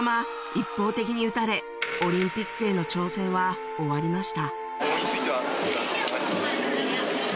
一方的に打たれオリンピックへの挑戦は終わりました